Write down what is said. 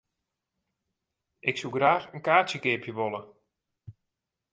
Ik soe graach in kaartsje keapje wolle.